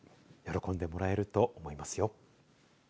喜んでもらえると思いますよ。